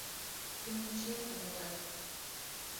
Кемым чиен тавалтат.